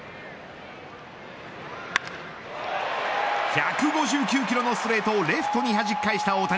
１５９キロのストレートをレフトにはじき返した大谷。